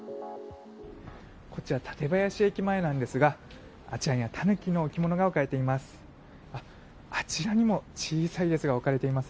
こちら、館林駅前なんですがあちらには、タヌキの置き物が置かれています。